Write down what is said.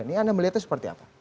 ini anda melihatnya seperti apa